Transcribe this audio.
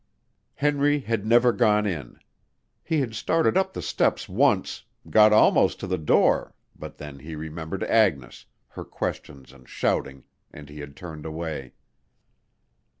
Henry had never gone in. He had started up the steps once, got almost to the door, but then he remembered Agnes, her questions and shouting, and he had turned away.